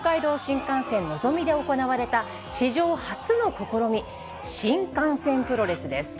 こちら、東海道新幹線のぞみで行われた、史上初の試み、新幹線プロレスです。